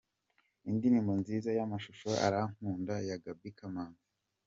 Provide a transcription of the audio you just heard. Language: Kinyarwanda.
Indirimbo nziza y'amashusho: Arankunda ya Gaby Kamanzi.